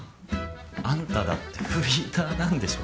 あんただってフリーターなんでしょ？